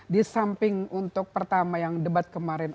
di samping untuk pertama yang debat kemarin